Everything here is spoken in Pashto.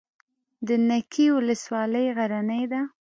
د نکې ولسوالۍ غرنۍ ده